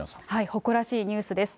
誇らしいニュースです。